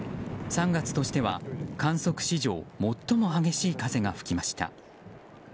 ３月としては観測史上最も激しい風が吹きました。